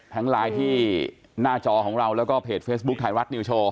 ไลน์ที่หน้าจอของเราแล้วก็เพจเฟซบุ๊คไทยรัฐนิวโชว